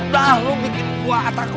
bunuh diri an